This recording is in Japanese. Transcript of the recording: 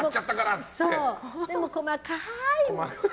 でも細かい。